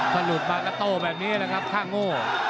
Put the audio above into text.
สรุปมาก็โต้แบบนี้แหละครับค่าโง่